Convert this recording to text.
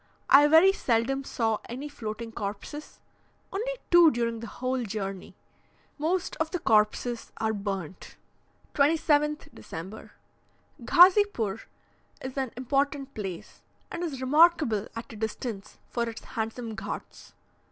I very seldom saw any floating corpses; only two during the whole journey. Most of the corpses are burnt. 27th December. Ghazipoor is an important place, and is remarkable at a distance for its handsome ghauts.